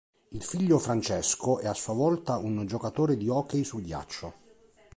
Il figlio Francesco è a sua volta un giocatore di hockey su ghiaccio.